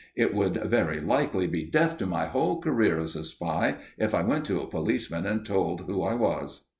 It would very likely be death to my whole career as a spy, if I went to a policeman and told him who I was."